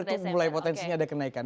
itu mulai potensinya ada kenaikan